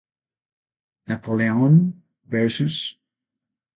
Napoleon vs.